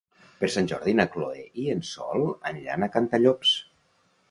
Per Sant Jordi na Chloé i en Sol aniran a Cantallops.